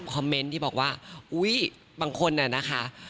คอมเมนต์ที่บอกว่าอุ๊ยบางคนน่ะนะคะ